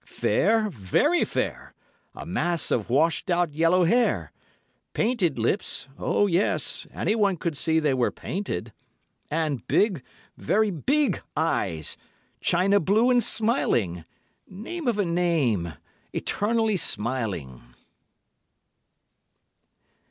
Fair, very fair, a mass of washed out yellow hair, painted lips—oh, yes, anyone could see they were painted—and big, very big eyes—china blue and smiling—name of a name—eternally smiling.